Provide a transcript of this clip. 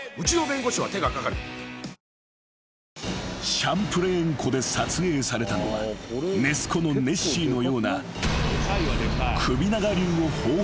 ［シャンプレーン湖で撮影されたのはネス湖のネッシーのような］